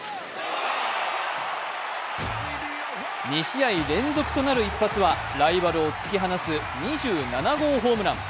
２試合連続となる一発はライバルを突き放す２７号ホームラン。